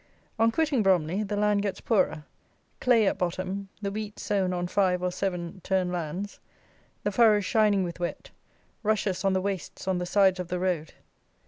On quitting Bromley the land gets poorer; clay at bottom; the wheat sown on five, or seven, turn lands; the furrows shining with wet; rushes on the wastes on the sides of the road.